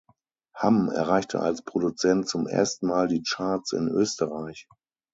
Hamm erreichte als Produzent zum ersten Mal die Charts in Österreich.